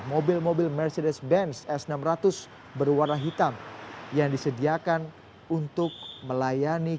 mobil mobil mercedes benz s enam ratus berwarna hitam yang disediakan untuk melayani